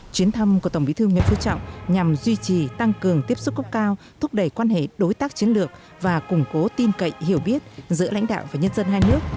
chuyến thăm của tổng bí thư nguyễn phú trọng nhằm duy trì tăng cường tiếp xúc cấp cao thúc đẩy quan hệ đối tác chiến lược và củng cố tin cậy hiểu biết giữa lãnh đạo và nhân dân hai nước